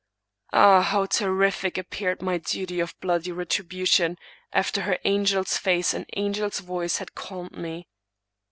Ah! how terrific appeared my duty of bloody retribution, after her angel's face and angel's voice had calmed me.